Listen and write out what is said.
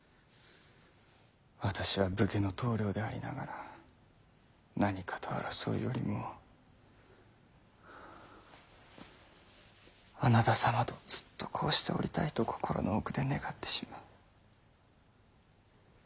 私は武家の棟梁でありながら何かと争うよりもあなた様とずっとこうしておりたいと心の奥で願ってしまう。